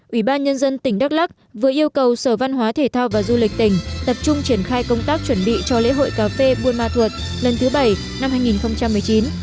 ủy ban nhân dân tỉnh đắk lắc vừa yêu cầu sở văn hóa thể thao và du lịch tỉnh tập trung triển khai công tác chuẩn bị cho lễ hội cà phê buôn ma thuột lần thứ bảy năm hai nghìn một mươi chín